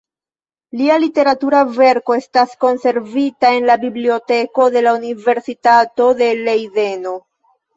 Lia literatura verko estas konservita en la Biblioteko de la Universitato de Lejdeno.